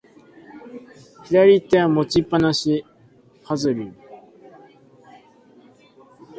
左手は持ちっぱなし、ファズリウ。